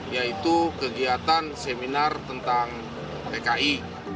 yaitu kegiatan seminar tentang pki